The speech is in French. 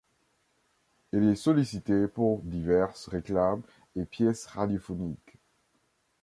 Elle est sollicitée pour diverses réclames et pièces radiophoniques.